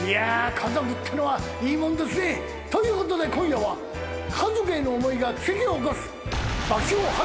家族ってのはいいもんですね。ということで今夜は家族への思いが奇跡を起こす。